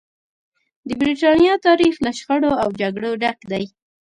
د برېټانیا تاریخ له شخړو او جګړو ډک دی.